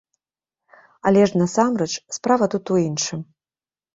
Але ж насамрэч справа тут у іншым.